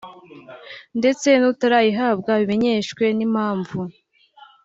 ndetse n’utarayihabwa abimenyeshwe n’impamvu